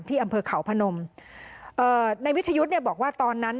อำเภอเขาพนมเอ่อในวิทยุทธ์เนี่ยบอกว่าตอนนั้น